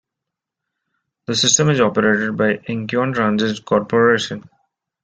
The system is operated by Incheon Transit Corporation.